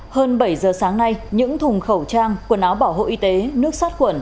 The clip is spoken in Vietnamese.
hơn bảy giờ sáng nay những thùng khẩu trang quần áo bảo hộ y tế nước sát khuẩn